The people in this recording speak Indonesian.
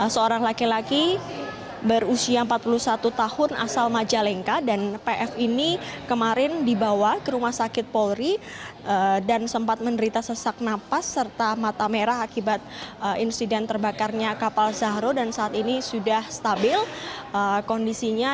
seorang laki laki berusia empat puluh satu tahun asal majalengka dan pf ini kemarin dibawa ke rumah sakit polri dan sempat menderita sesak napas serta mata merah akibat insiden terbakarnya kapal zahro dan saat ini sudah stabil kondisinya